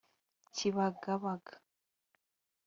Kibagabaga